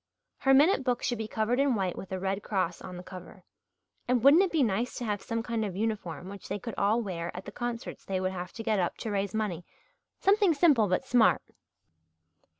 Her minute book should be covered in white with a Red Cross on the cover and wouldn't it be nice to have some kind of uniform which they could all wear at the concerts they would have to get up to raise money something simple but smart?